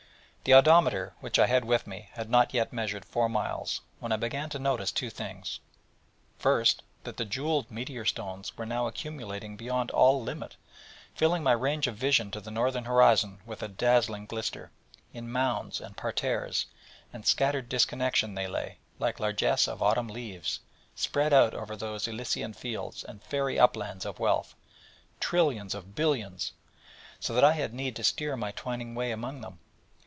The odometer which I had with me had not yet measured four miles, when I began to notice two things: first that the jewelled meteor stones were now accumulating beyond all limit, filling my range of vision to the northern horizon with a dazzling glister: in mounds, and parterres, and scattered disconnection they lay, like largesse of autumn leaves, spread out over those Elysian fields and fairy uplands of wealth, trillions of billions, so that I had need to steer my twining way among them.